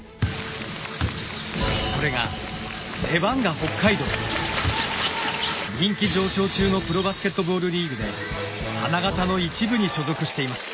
それが人気上昇中のプロバスケットボールリーグで花形の１部に所属しています。